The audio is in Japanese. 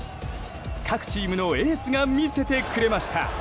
各チームのエースが見せてくれました。